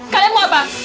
kalian mau apa